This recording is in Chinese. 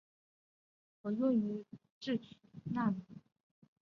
可用于制取微纳米级羰基铁粉。